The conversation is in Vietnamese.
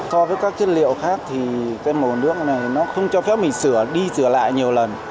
so với các chất liệu khác thì cái màu nước này nó không cho phép mình sửa đi sửa lại nhiều lần